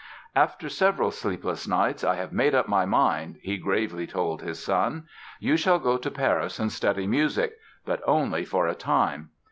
"After several sleepless nights I have made up my mind", he gravely told his son. "You shall go to Paris and study music; but only for a time.